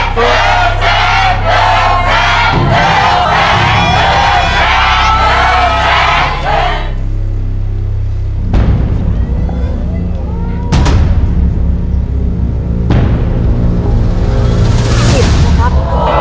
เกลียดนะครับ